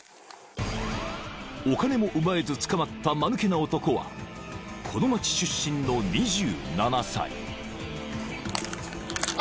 ［お金も奪えず捕まった間抜けな男はこの街出身の２７歳］